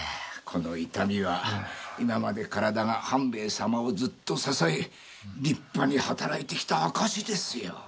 この痛みは今まで体が半兵衛様をずっと支え立派に働いてきた証しですよ。